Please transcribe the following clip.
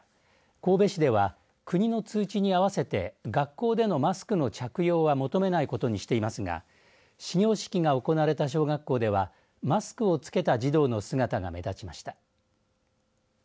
神戸市では国の通知に合わせて学校でのマスクの着用は求めないことにしていますが始業式が行われた小学校ではマスクを着けた児童の姿が目立ちました。